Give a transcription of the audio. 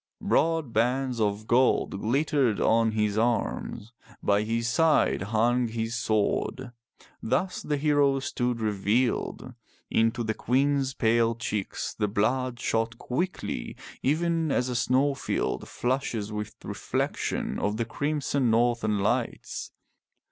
Broad bands of gold glittered on his arms. By his side hung his sword. Thus the hero stood revealed! Into the Queen's pale cheeks the blood shot quickly, even as a snow field flushes with reflection of the crimson Northern Lights.